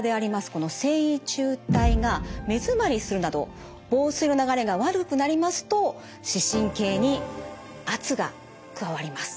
この線維柱帯が目づまりするなど房水の流れが悪くなりますと視神経に圧が加わります。